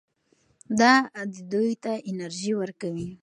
دا دوی ته انرژي ورکوي.